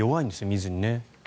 水にね。